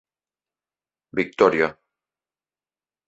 Victòria.